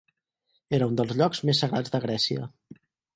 Era un dels llocs més sagrats de Grècia.